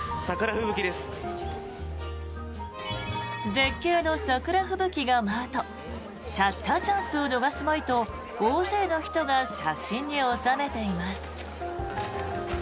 絶景の桜吹雪が舞うとシャッターチャンスを逃すまいと大勢の人が写真に収めています。